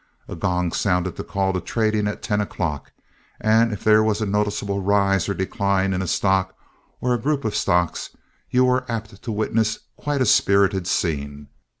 A gong sounded the call to trading at ten o'clock, and if there was a noticeable rise or decline in a stock or a group of stocks, you were apt to witness quite a spirited scene.